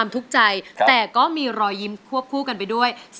แก้มขอมาสู้เพื่อกล่องเสียงให้กับคุณพ่อใหม่นะครับ